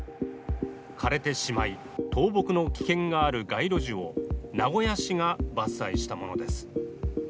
枯れてしまい、倒木の危険がある街路樹を名古屋市が伐採したものです。